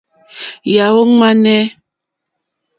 Yàɔ́ !ŋmánɛ́.